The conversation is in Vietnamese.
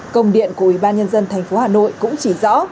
công điện của ubnd thành phố hà nội cũng chỉ rõ